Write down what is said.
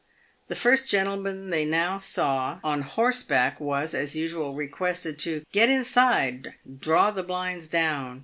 The first gentleman they now saw on horseback was, as usual, requested " to get inside, and draw the blinds down."